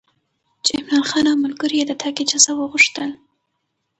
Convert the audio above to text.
چې عمرا خان او ملګرو یې د تګ اجازه وغوښته.